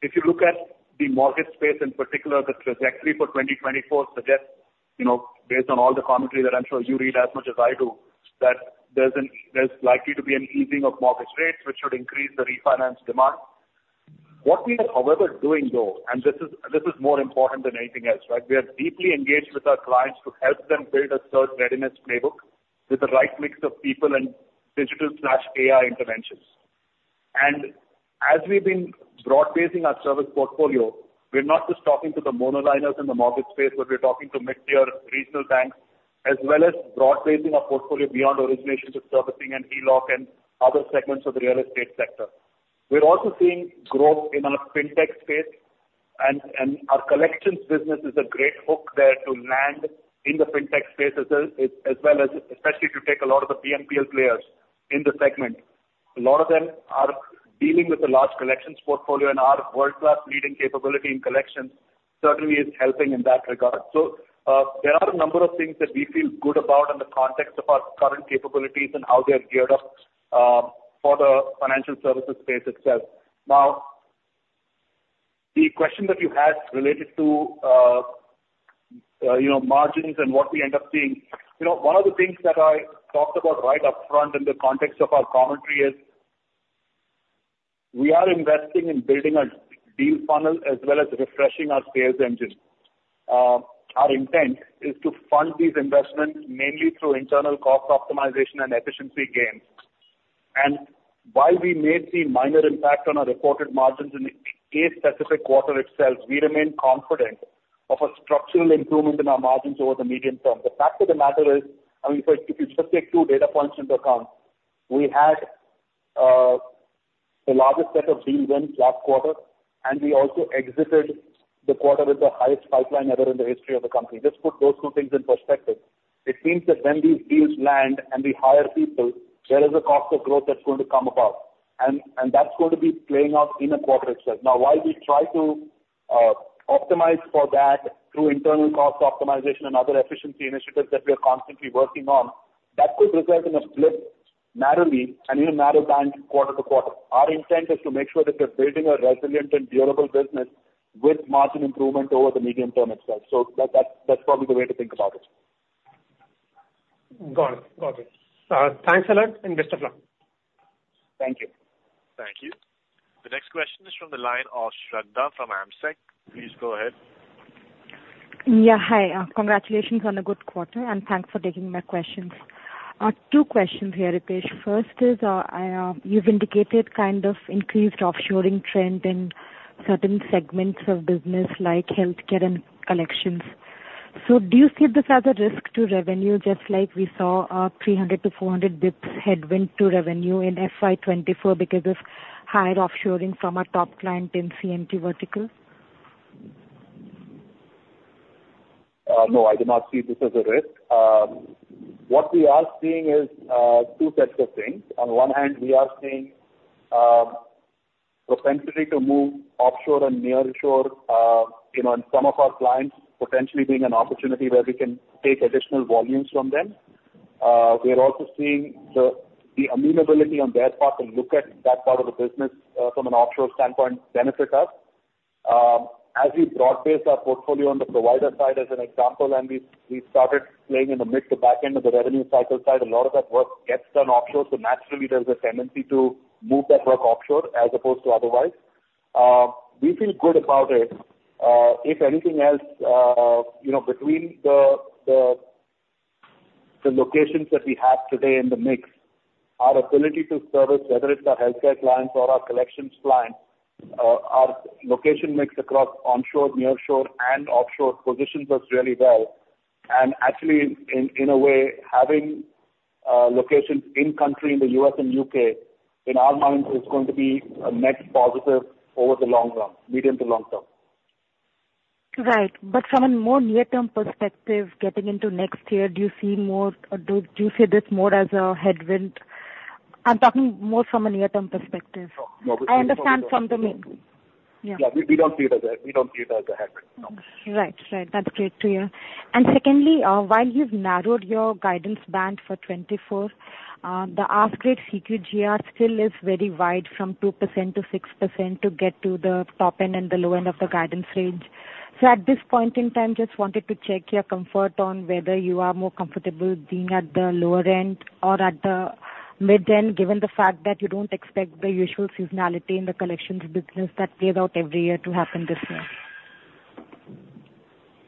If you look at the mortgage space in particular, the trajectory for 2024 suggests, you know, based on all the commentary that I'm sure you read as much as I do, that there's likely to be an easing of mortgage rates, which should increase the refinance demand. What we are, however, doing though, and this is, this is more important than anything else, right? We are deeply engaged with our clients to help them build a surge readiness playbook with the right mix of people and digital/AI interventions. As we've been broad-basing our service portfolio, we're not just talking to the monoliners in the mortgage space, but we're talking to mid-tier regional banks, as well as broad-basing our portfolio beyond origination to servicing and HELOC and other segments of the real estate sector. We're also seeing growth in our fintech space, and our collections business is a great hook there to land in the fintech space as well, as well as especially if you take a lot of the BNPL players in the segment. A lot of them are dealing with a large collections portfolio, and our world-class leading capability in collections certainly is helping in that regard. So, there are a number of things that we feel good about in the context of our current capabilities and how they're geared up, for the financial services space itself. Now, the question that you had related to, you know, margins and what we end up seeing, you know, one of the things that I talked about right up front in the context of our commentary is, we are investing in building a deal funnel as well as refreshing our sales engine. Our intent is to fund these investments mainly through internal cost optimization and efficiency gains. And while we may see minor impact on our reported margins in a specific quarter itself, we remain confident of a structural improvement in our margins over the medium term. The fact of the matter is, I mean, if you just take two data points into account, we had the largest set of deal wins last quarter, and we also exited the quarter with the highest pipeline ever in the history of the company. Just put those two things in perspective. It means that when these deals land and we hire people, there is a cost of growth that's going to come about, and that's going to be playing out in a quarter itself. Now, while we try to optimize for that through internal cost optimization and other efficiency initiatives that we are constantly working on, that could result in a blip narrowly and in a narrow band quarter-to-quarter. Our intent is to make sure that we're building a resilient and durable business with margin improvement over the medium term itself. So that's probably the way to think about it. Got it. Got it. Thanks a lot, and best of luck. Thank you. Thank you. The next question is from the line of Shradha from AMSEC. Please go ahead. Yeah, hi. Congratulations on a good quarter, and thanks for taking my questions. Two questions here, Ritesh. First is, I, you've indicated kind of increased offshoring trend in certain segments of business like healthcare and collections. So do you see this as a risk to revenue, just like we saw, 300-400 bps headwind to revenue in FY 2024 because of higher offshoring from our top client in CMT vertical? No, I do not see this as a risk. What we are seeing is two sets of things. On one hand, we are seeing propensity to move offshore and nearshore, you know, and some of our clients potentially being an opportunity where we can take additional volumes from them. We are also seeing the amenability on their part to look at that part of the business from an offshore standpoint benefit us. As we broad-based our portfolio on the provider side, as an example, and we started playing in the mid to back end of the revenue cycle side, a lot of that work gets done offshore. So naturally, there's a tendency to move that work offshore as opposed to otherwise. We feel good about it. If anything else, you know, between the locations that we have today in the mix, our ability to service, whether it's our healthcare clients or our collections clients, our location mix across onshore, nearshore, and offshore, positions us really well. And actually, in a way, having locations in country, in the U.S. and U.K., in our minds, is going to be a net positive over the long term, medium to long term. Right. But from a more near-term perspective, getting into next year, do you see more or do, do you see this more as a headwind? I'm talking more from a near-term perspective. No, no. I understand from the mid, yeah. Yeah, we don't see it as a headwind, no. Right. Right. That's great to hear. And secondly, while you've narrowed your guidance band for 2024, the ask rate CQGR still is very wide, from 2%-6%, to get to the top end and the low end of the guidance range. So at this point in time, just wanted to check your comfort on whether you are more comfortable being at the lower end or at the mid-end, given the fact that you don't expect the usual seasonality in the collections business that play out every year to happen this year?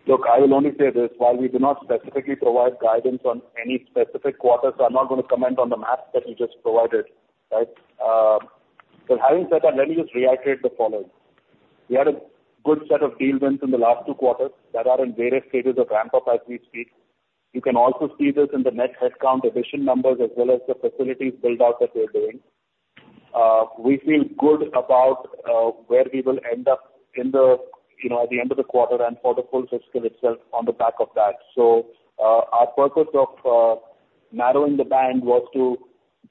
Look, I will only say this. While we do not specifically provide guidance on any specific quarter, so I'm not gonna comment on the math that you just provided, right? But having said that, let me just reiterate the following. We had a good set of deal wins in the last two quarters that are in various stages of ramp-up as we speak. You can also see this in the net headcount addition numbers as well as the facilities build-out that we are doing. We feel good about where we will end up in the, you know, at the end of the quarter and for the full fiscal itself on the back of that. So, our purpose of narrowing the band was to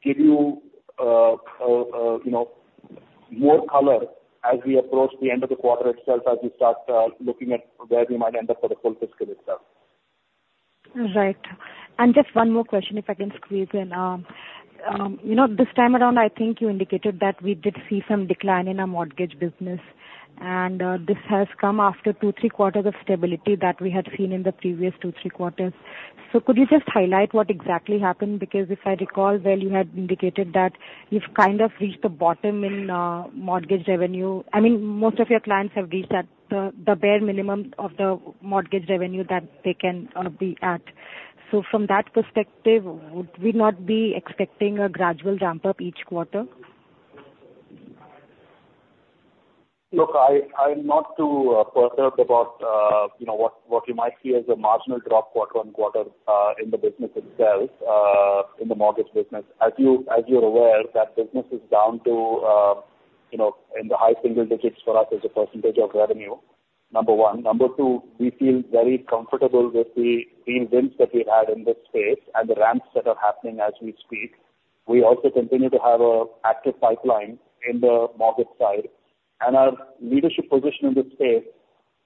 give you, you know, more color as we approach the end of the quarter itself, as we start looking at where we might end up for the full fiscal itself. Right. And just one more question, if I can squeeze in. You know, this time around, I think you indicated that we did see some decline in our mortgage business, and this has come after 2-3 quarters of stability that we had seen in the previous 2-3 quarters. So could you just highlight what exactly happened? Because if I recall, well, you had indicated that you've kind of reached the bottom in mortgage revenue. I mean, most of your clients have reached at the bare minimum of the mortgage revenue that they can be at. So from that perspective, would we not be expecting a gradual ramp-up each quarter? Look, I'm not too perturbed about, you know, what you might see as a marginal drop quarter-on-quarter in the business itself in the mortgage business. As you're aware, that business is down to, you know, in the high single digits for us as a percentage of revenue, number one. Number two, we feel very comfortable with the wins that we've had in this space and the ramps that are happening as we speak. We also continue to have an active pipeline in the mortgage side, and our leadership position in this space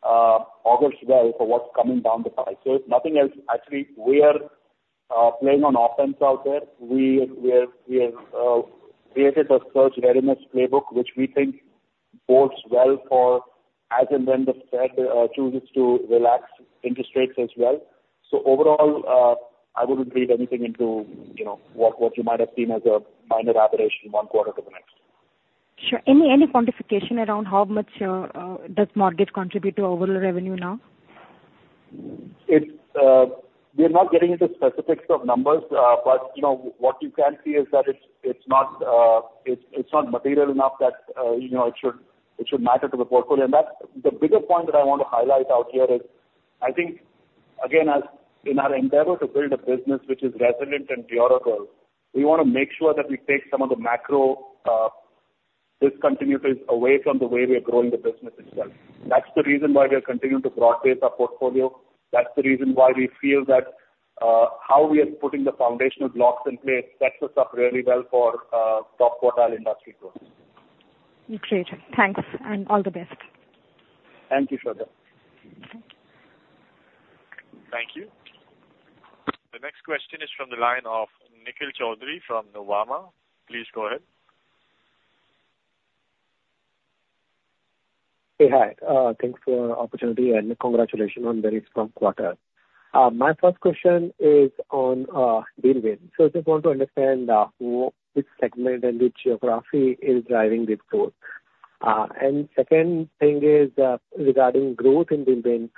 augurs well for what's coming down the pipe. So if nothing else, actually, we are playing on offense out there. We have created a surge readiness playbook, which we think bodes well for as and when the Fed chooses to relax interest rates as well. So overall, I wouldn't read anything into, you know, what you might have seen as a minor aberration one quarter to the next. Sure. Any quantification around how much does mortgage contribute to overall revenue now? It's, we are not getting into specifics of numbers, but, you know, what you can see is that it's not material enough that, you know, it should matter to the portfolio. And that's, the bigger point that I want to highlight out here is, I think, again, as in our endeavor to build a business which is resilient and durable, we wanna make sure that we take some of the macro, discontinuities away from the way we are growing the business itself. That's the reason why we are continuing to broad base our portfolio. That's the reason why we feel that, how we are putting the foundational blocks in place sets us up really well for, top quartile industry growth. Great. Thanks, and all the best. Thank you, Shradha. Thank you. The next question is from the line of Nikhil Choudhary from Nuvama. Please go ahead. Hey, hi. Thanks for the opportunity, and congratulations on the very strong quarter. My first question is on deal wins. So I just want to understand who, which segment and which geography is driving this growth. And second thing is, regarding growth in deal wins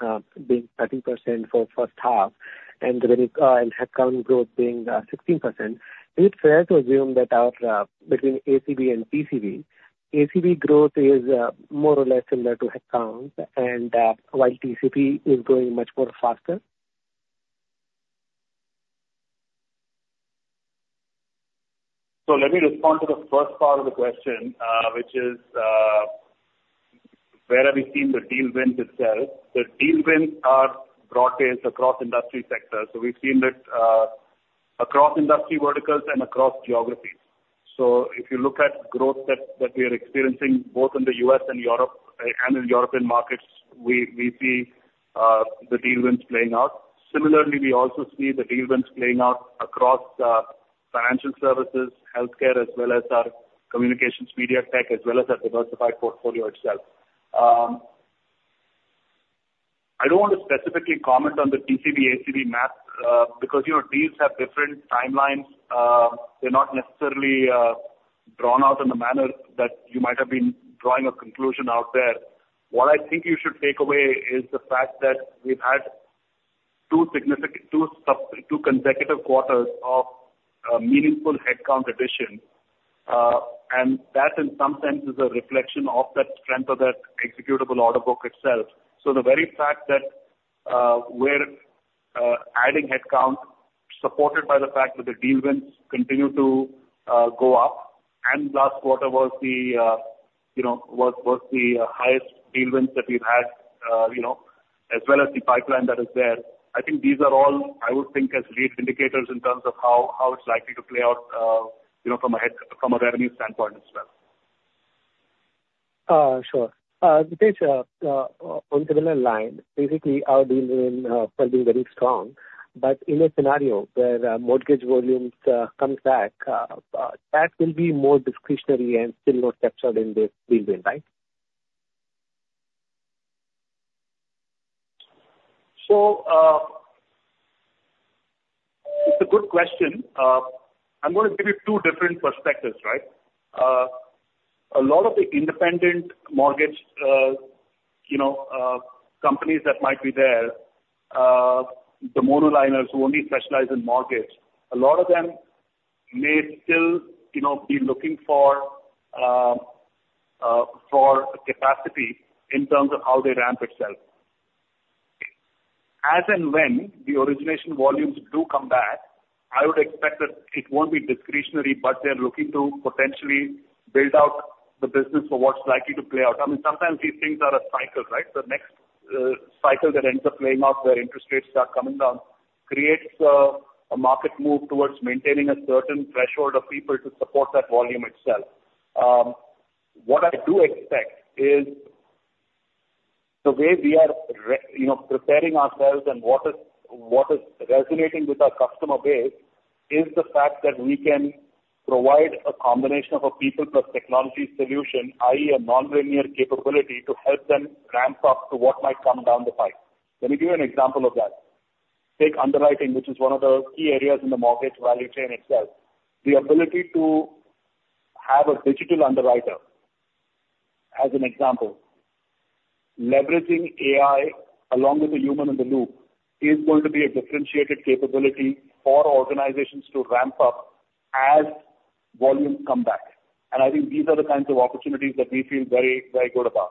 being 13% for first half, and headcount growth being 16%. Is it fair to assume that our, between ACV and TCV, ACV growth is more or less similar to headcount, and while TCV is growing much more faster? So let me respond to the first part of the question, which is where have we seen the deal wins itself? The deal wins are broad-based across industry sectors, so we've seen it across industry verticals and across geographies. So if you look at growth that we are experiencing, both in the U.S. and Europe, and in European markets, we see the deal wins playing out. Similarly, we also see the deal wins playing out across financial services, healthcare, as well as our communications, media, tech, as well as our diversified portfolio itself. I don't want to specifically comment on the TCV, ACV mix, because, you know, deals have different timelines. They're not necessarily drawn out in the manner that you might have been drawing a conclusion out there. What I think you should take away is the fact that we've had two significant, two consecutive quarters of meaningful headcount addition. And that, in some sense, is a reflection of that strength of that executable order book itself. So the very fact that we're adding headcount, supported by the fact that the deal wins continue to go up, and last quarter was the, you know, highest deal wins that we've had, you know, as well as the pipeline that is there. I think these are all, I would think, as leading indicators in terms of how it's likely to play out, you know, from a revenue standpoint as well. Sure. Ritesh, on similar line, basically, our deal win are being very strong, but in a scenario where mortgage volumes comes back, that will be more discretionary and still more captured in this deal win, right? So, it's a good question. I'm gonna give you two different perspectives, right? A lot of the independent mortgage, you know, companies that might be there, the monoliners who only specialize in mortgage, a lot of them may still, you know, be looking for capacity in terms of how they ramp itself. As and when the origination volumes do come back, I would expect that it won't be discretionary, but they're looking to potentially build out the business for what's likely to play out. I mean, sometimes these things are a cycle, right? The next cycle that ends up playing out where interest rates are coming down creates a market move towards maintaining a certain threshold of people to support that volume itself. What I do expect is the way we are, you know, preparing ourselves and what is resonating with our customer base, is the fact that we can provide a combination of a people plus technology solution, i.e., a non-linear capability to help them ramp up to what might come down the pipe. Let me give you an example of that. Take underwriting, which is one of the key areas in the mortgage value chain itself. The ability to have a digital underwriter, as an example, leveraging AI along with a human in the loop, is going to be a differentiated capability for organizations to ramp up as volumes come back. And I think these are the kinds of opportunities that we feel very, very good about.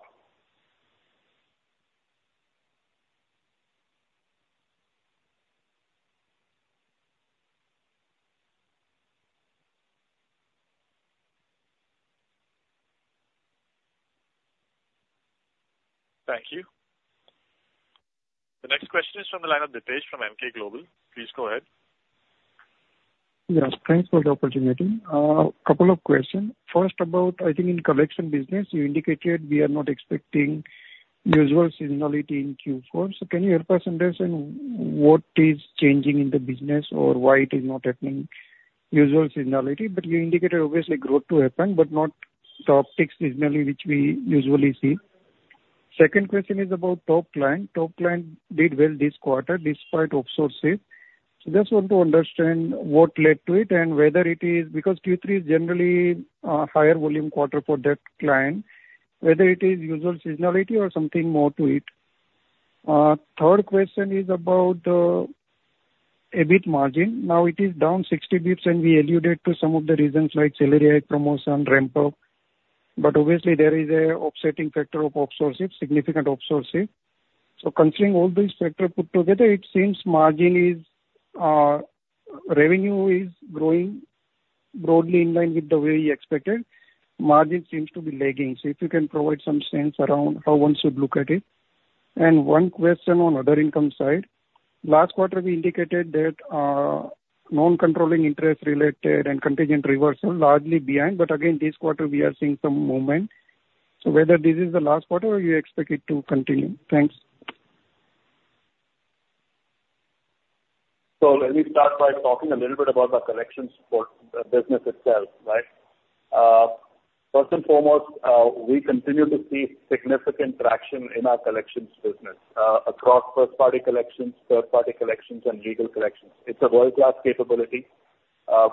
Thank you. The next question is from the line of Dipesh from Emkay Global. Please go ahead. Yes, thanks for the opportunity. Couple of questions. First, about, I think in collection business, you indicated we are not expecting usual seasonality in Q4. So can you help us understand what is changing in the business, or why it is not happening usual seasonality, but you indicated obviously growth to happen, but not top tick seasonality, which we usually see. Second question is about top line. Top line did well this quarter despite offshoring. So just want to understand what led to it and whether it is. Because Q3 is generally a higher volume quarter for that client, whether it is usual seasonality or something more to it. Third question is about EBIT margin. Now it is down 60 basis points, and we alluded to some of the reasons like salary hike, promotion, ramp up. But obviously there is a offsetting factor of offshoring, significant offshoring. So considering all these factors put together, it seems margin is revenue is growing broadly in line with the way you expected. Margin seems to be lagging. So if you can provide some sense around how one should look at it. And one question on other income side. Last quarter, we indicated that non-controlling interest related and contingent reversal, largely beyond. But again, this quarter we are seeing some movement, so whether this is the last quarter or you expect it to continue? Thanks. So let me start by talking a little bit about our collections for the business itself, right? First and foremost, we continue to see significant traction in our collections business, across first party collections, third party collections, and legal collections. It's a world-class capability.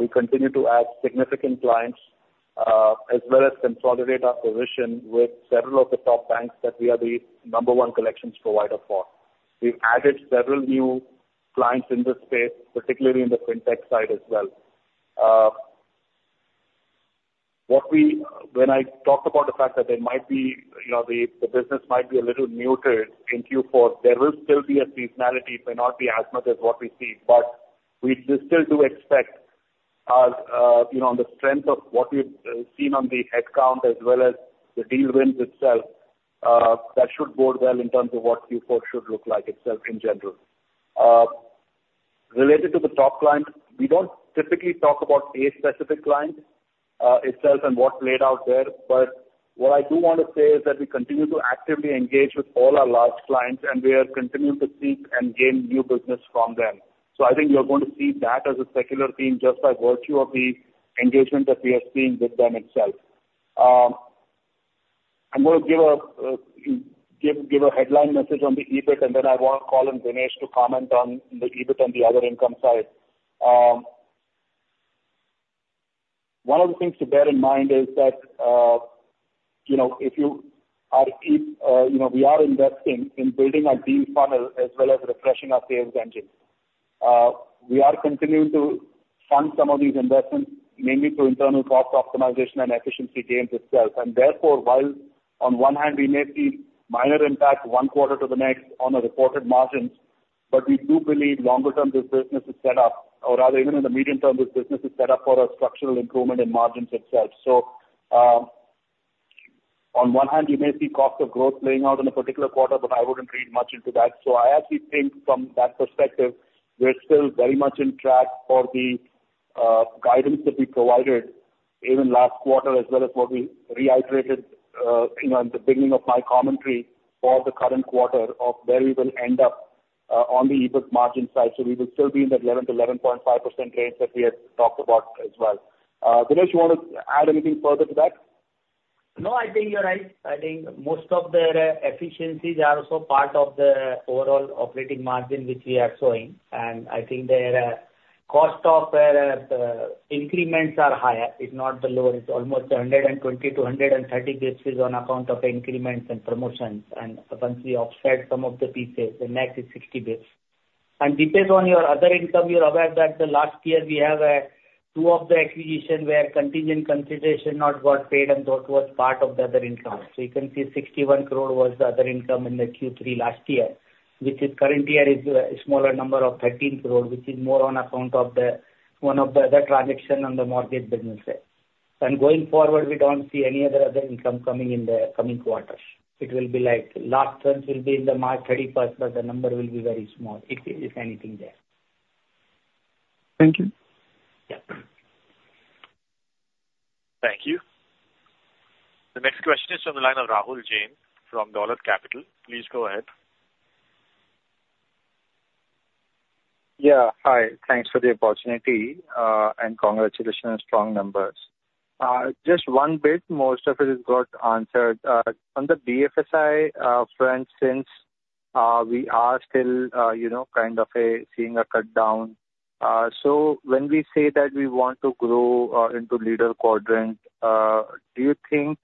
We continue to add significant clients, as well as consolidate our position with several of the top banks that we are the number one collections provider for. We've added several new clients in this space, particularly in the fintech side as well. What when I talked about the fact that there might be, you know, the business might be a little muted in Q4, there will still be a seasonality, may not be as much as what we see, but we still do expect as, you know, on the strength of what we've seen on the headcount as well as the deal wins itself, that should bode well in terms of what Q4 should look like itself in general. Related to the top clients, we don't typically talk about a specific client itself and what played out there, but what I do want to say is that we continue to actively engage with all our large clients, and we are continuing to seek and gain new business from them. So I think you're going to see that as a secular theme, just by virtue of the engagement that we are seeing with them itself. I'm going to give a headline message on the EBIT, and then I want to call on Dinesh to comment on the EBIT and the other income side. One of the things to bear in mind is that, you know, we are investing in building our deal funnel as well as refreshing our sales engine. We are continuing to fund some of these investments, mainly through internal cost optimization and efficiency gains itself. Therefore, while on one hand, we may see minor impact one quarter to the next on the reported margins, but we do believe longer term, this business is set up, or rather even in the medium term, this business is set up for a structural improvement in margins itself. So, on one hand, you may see cost of growth playing out in a particular quarter, but I wouldn't read much into that. So I actually think from that perspective, we're still very much in track for the guidance that we provided even last quarter, as well as what we reiterated, you know, in the beginning of my commentary for the current quarter, of where we will end up on the EBIT margin side. So we will still be in the 11%-11.5% range that we had talked about as well. Dinesh, you want to add anything further to that? No, I think you're right. I think most of the efficiencies are also part of the overall operating margin, which we are showing. And I think the cost of the increments are higher, it's not the lower. It's almost 120-130 basis on account of increments and promotions. And once we offset some of the pieces, the net is 60 basis. And based on your other income, you're aware that the last year we have two of the acquisition where contingent consideration not got paid, and that was part of the other income. So you can see 61 crore was the other income in the Q3 last year, which is currently is a smaller number of 13 crore, which is more on account of the one of the other transaction on the mortgage business side. Going forward, we don't see any other income coming in the coming quarters. It will be like last ones will be in the March 31, but the number will be very small, if anything there. Thank you. Yeah. Thank you. The next question is from the line of Rahul Jain from Dolat Capital. Please go ahead. Yeah, hi. Thanks for the opportunity, and congratulations on strong numbers. Just one bit, most of it is got answered. On the BFSI front, since we are still, you know, kind of, seeing a cutdown. So when we say that we want to grow into leader quadrant, do you think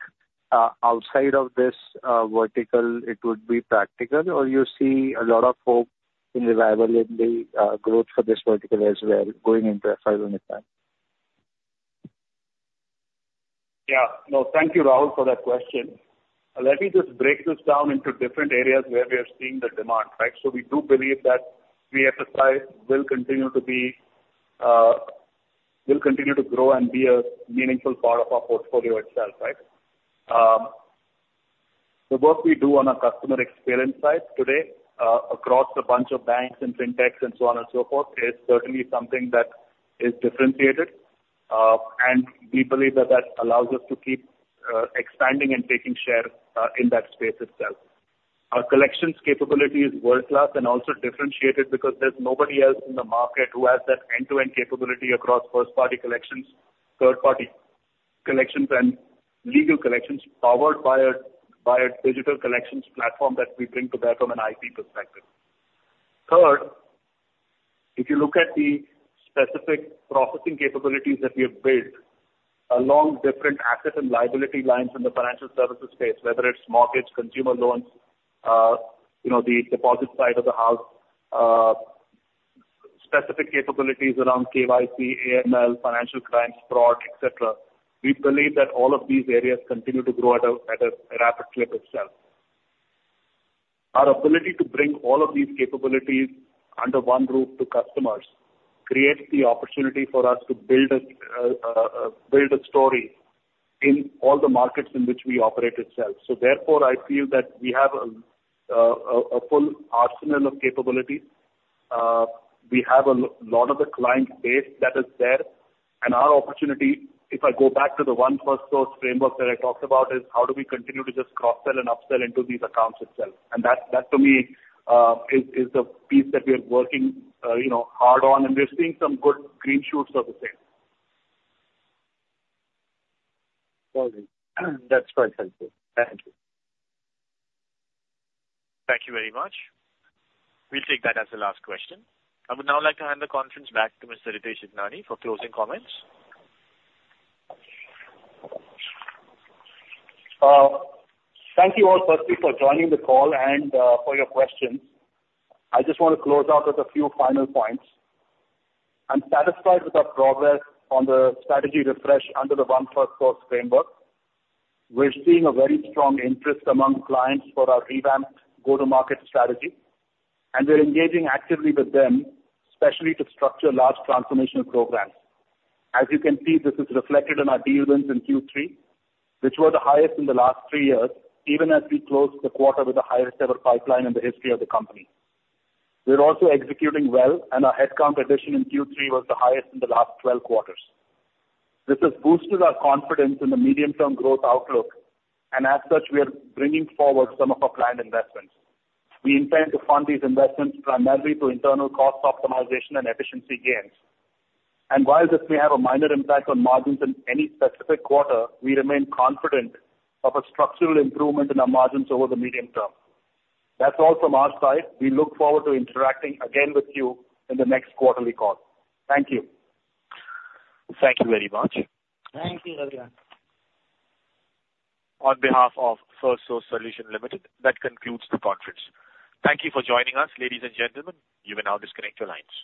outside of this vertical, it would be practical, or you see a lot of hope in the viability growth for this vertical as well going into five years' time? Yeah. No, thank you, Rahul, for that question. Let me just break this down into different areas where we are seeing the demand, right? So we do believe that BFSI will continue to be, will continue to grow and be a meaningful part of our portfolio itself, right? The work we do on our customer experience side today, across a bunch of banks and fintechs and so on and so forth, is certainly something that is differentiated, and we believe that that allows us to keep expanding and taking share, in that space itself. Our collections capability is world-class and also differentiated because there's nobody else in the market who has that end-to-end capability across first party collections, third party collections, and legal collections, powered by a digital collections platform that we bring to bear from an IP perspective. Third, if you look at the specific processing capabilities that we have built along different asset and liability lines in the financial services space, whether it's mortgage, consumer loans, you know, the deposit side of the house, specific capabilities around KYC, AML, financial crimes, fraud, et cetera. We believe that all of these areas continue to grow at a rapid clip itself. Our ability to bring all of these capabilities under one roof to customers creates the opportunity for us to build a story in all the markets in which we operate itself. So therefore, I feel that we have a full arsenal of capabilities. We have a lot of the client base that is there, and our opportunity, if I go back to the One Firstsource framework that I talked about, is how do we continue to just cross-sell and upsell into these accounts itself? And that, that to me, is the piece that we are working, you know, hard on, and we're seeing some good green shoots of the same. Well, that's quite helpful. Thank you. Thank you very much. We'll take that as the last question. I would now like to hand the conference back to Mr. Ritesh Idnani for closing comments. Thank you all firstly, for joining the call and, for your questions. I just want to close out with a few final points. I'm satisfied with our progress on the strategy refresh under the One Firstsource framework. We're seeing a very strong interest among clients for our revamped go-to-market strategy, and we're engaging actively with them, especially to structure large transformational programs. As you can see, this is reflected in our deal wins in Q3, which were the highest in the last three years, even as we closed the quarter with the highest-ever pipeline in the history of the company. We're also executing well, and our headcount addition in Q3 was the highest in the last 12 quarters. This has boosted our confidence in the medium-term growth outlook, and as such, we are bringing forward some of our client investments. We intend to fund these investments primarily through internal cost optimization and efficiency gains. And while this may have a minor impact on margins in any specific quarter, we remain confident of a structural improvement in our margins over the medium term. That's all from our side. We look forward to interacting again with you in the next quarterly call. Thank you. Thank you very much. Thank you again. On behalf of Firstsource Solutions Limited, that concludes the conference. Thank you for joining us, ladies and gentlemen. You may now disconnect your lines.